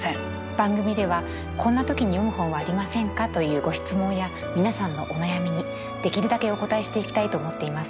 番組では「こんな時に読む本はありませんか？」というご質問や皆さんのお悩みにできるだけお応えしていきたいと思っています。